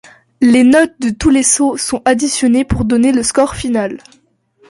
Les notes de tous les sauts sont additionnées pour donner le score final.